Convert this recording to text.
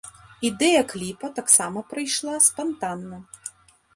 Ідэя кліпа таксама прыйшла спантанна.